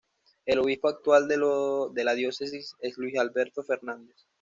El obispo actual de la diócesis es Luis Alberto Fernández.